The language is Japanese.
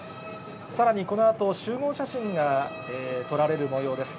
さらにこのあと、集合写真が撮られるもようです。